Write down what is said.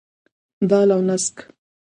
دال او نسک.